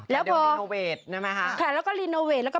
เหมือนเลิศนะคะ